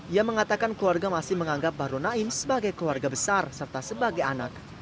ia mengatakan keluarga masih menganggap bahru naim sebagai keluarga besar serta sebagai anak